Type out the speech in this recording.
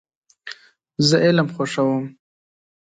زه علم خوښوم .